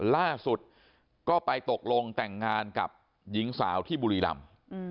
ล่าสุดก็ไปตกลงแต่งงานกับหญิงสาวที่บุรีรำ